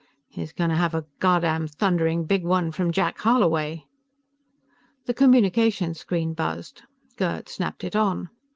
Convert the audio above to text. "He's going to have a goddamn thundering big one from Jack Holloway!" The communication screen buzzed; Gerd snapped it on.